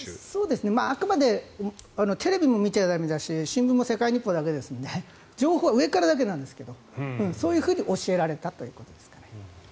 あくまでテレビも見ちゃ駄目だし新聞も世界日報だけですので情報は上からだけなんですがそういうふうに教えられたということですかね。